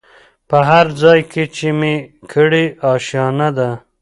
په هرځای کي چي مي کړې آشیانه ده